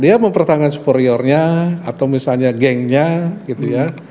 dia mempertahankan speriornya atau misalnya gengnya gitu ya